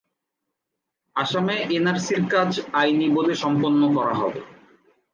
আসামে এনআরসির কাজ আইনি বলে সম্পন্ন করা হবে।